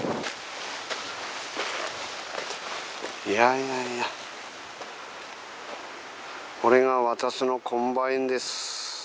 いやいやこれが私のコンバインです